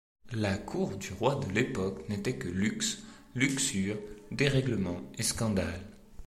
La cour du roi de l'époque n'était que luxe, luxure, dérèglements et scandales.